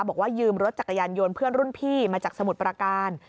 บอกว่ายืมรถจักรยานยนต์เพื่อนรุ่นพี่มาจากสมุทรประการ